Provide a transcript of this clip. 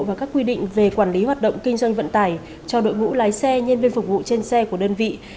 và các quy định về quản lý hoạt động kinh doanh vận tải cho đội ngũ lái xe nhân viên phục vụ trên xe của đơn vị